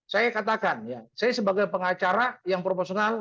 saya katakan saya sebagai pengacara yang proporsional